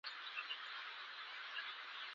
د هغه پر شونډو بیا هغه جمله ونڅېده.